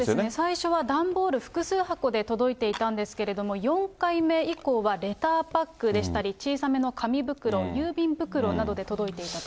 最初は段ボール複数箱で届いていたんですけれども、４回目以降はレターパックでしたり、小さめの紙袋、郵便袋などで届いていたと。